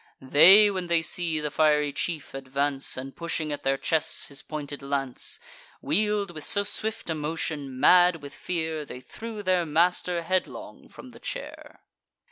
They, when they see the fiery chief advance, And pushing at their chests his pointed lance, Wheel'd with so swift a motion, mad with fear, They threw their master headlong from the chair.